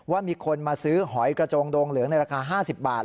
ว่ามีคนมาซื้อหอยกระโจงโดงเหลืองในราคา๕๐บาท